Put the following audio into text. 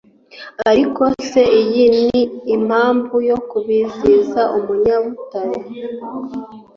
ariko se iyi ni impamvu yo kubiziza umunyabutare ?